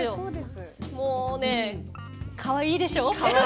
もうねかわいいでしょう？